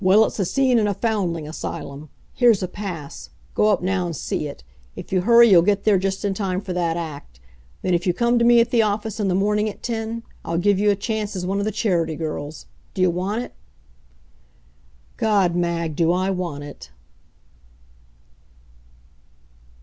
"Well, it's a scene in a foundling asylum. Here's a pass. Go up now and see it. If you hurry you'll get there just in time for that act. Then if you come to me at the office in the morning at ten, I'll give you a chance as one of the Charity girls. Do you want it?" God, Mag! Do I want it!